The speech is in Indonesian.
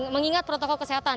mengingat protokol kesehatan